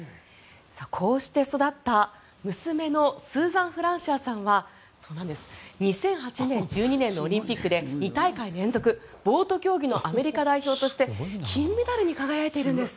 こうして育った娘のスーザン・フランシアさんは２００８年１２年のオリンピックで２大会連続ボート競技のアメリカ代表として金メダルに輝いているんです。